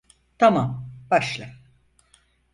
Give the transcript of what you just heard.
Tamam, başla.